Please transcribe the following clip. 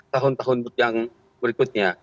tahun tahun yang berikutnya